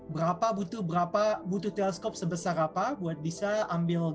berapa butuh teleskop sebesar apa buat bisa ambil data